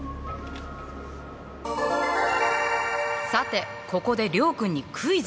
さてここで諒君にクイズ。